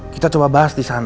kita coba bahas disini